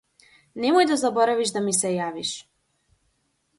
Немој да заборавиш да ми се јавиш.